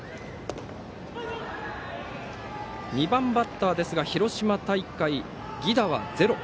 ２番バッターですが広島大会、犠打はゼロ。